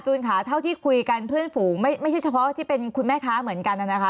ค่ะเท่าที่คุยกันเพื่อนฝูงไม่ใช่เฉพาะที่เป็นคุณแม่ค้าเหมือนกันนะคะ